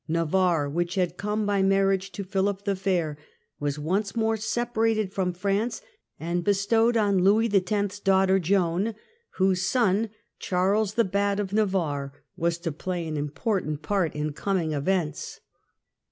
Navarre, which had come by mar riage to Philip the Fair, was once more separated from France and bestowed on Louis X.'s daughter Joan, whose son Charles the Bad of Navarre was to play an important part in coming events.